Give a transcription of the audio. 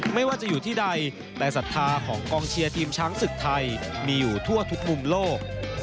ไม่ว่าจะอยู่ที่ใดแต่ศรัทธาของกองเชียร์ทีมช้างศึกไทยมีอยู่ทั่วทุกมุมโลก